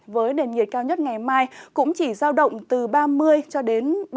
với điện nhiệt cao nhất ngày mai cũng chỉ giao động từ ba mươi cho đến